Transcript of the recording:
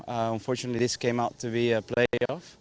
alhamdulillah ini menjadi playoff